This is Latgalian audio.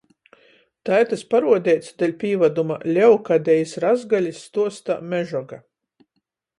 Tai tys paruodeits, deļ pīvaduma, Leokadejis Razgalis stuostā "Mežoga"